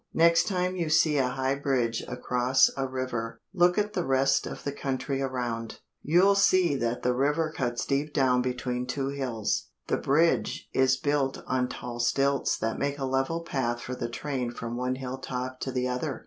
Next time you see a high bridge across a river, look at the rest of the country around. You'll see that the river cuts deep down between two hills. The bridge is built on tall stilts that make a level path for the train from one hilltop to the other.